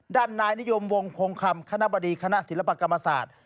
ด้านนายนิยมวงคงคำคณะบดีคณะศิลปกรรมศาสตร์